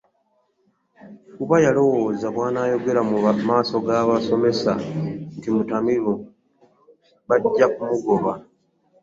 Kuba yalowooza bw'anaayogera mu maaso g'abasomesa nti mutamiivu bajja mugoba.